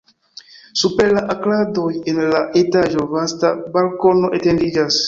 Super la arkadoj en la etaĝo vasta balkono etendiĝas.